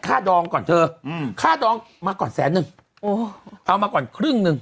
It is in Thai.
ดองก่อนเธออืมค่าดองมาก่อนแสนนึงโอ้เอามาก่อนครึ่งหนึ่ง